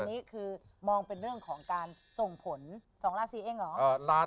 อันนี้คือมองเป็นเรื่องของการส่งผล๒ราศีเองเหรอ